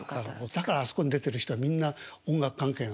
だからあそこに出てる人はみんな音楽関係の。